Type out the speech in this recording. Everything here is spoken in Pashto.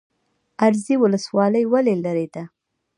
ازرې ولسوالۍ ولې لیرې ده؟